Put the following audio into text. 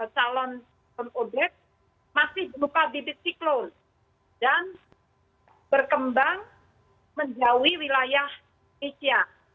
salon odet masih berupa bibit siklon dan berkembang menjauhi wilayah asia